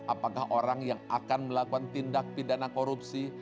apakah orang yang akan melakukan tindak pidana korupsi